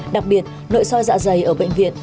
đặc biệt nội soi dạ dày ở bệnh viện